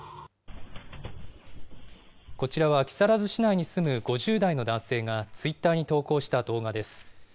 こちらは木更津市内に住む５０代の男性がツイッターに投稿した動画です。